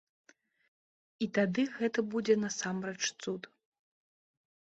І тады гэта будзе насамрэч цуд.